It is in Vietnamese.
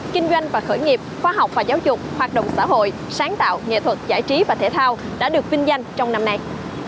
kinh doanh và khởi nghiệp khoa học và giáo dục hoạt động xã hội sáng tạo nghệ thuật giải trí và thể thao đã được vinh danh trong năm nay